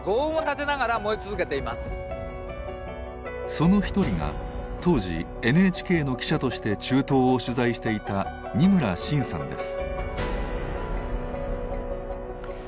その一人が当時ＮＨＫの記者として中東を取材していた二村伸さんです。